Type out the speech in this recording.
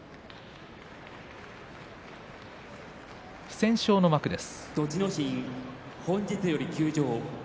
不戦勝の幕です。